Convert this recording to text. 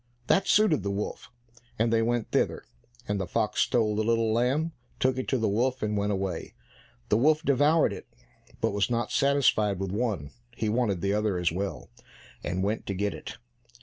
That suited the wolf, and they went thither, and the fox stole the little lamb, took it to the wolf, and went away. The wolf devoured it, but was not satisfied with one; he wanted the other as well, and went to get it.